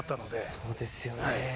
そうですよね。